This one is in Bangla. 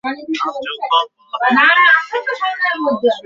তোকে একটা জায়গায় পাঠাব যেখানে তোর মতো ছেলেদের দেখাশোনা করা হয়।